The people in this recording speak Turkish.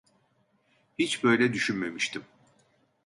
Hiç böyle düşünmemiştim.